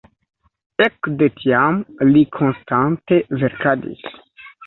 Ekde tiam li konstante verkadis.